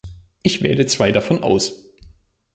Ich wähle zwei davon aus.